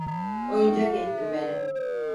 Oyuncak ettin beni.